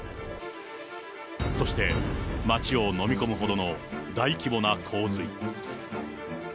そして、町を飲み込むほどの大規模な洪水。